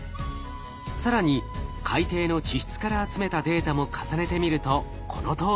更に海底の地質から集めたデータも重ねてみるとこのとおり。